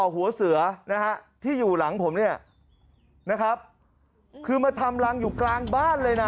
หัวเสือนะฮะที่อยู่หลังผมเนี่ยนะครับคือมาทำรังอยู่กลางบ้านเลยนะ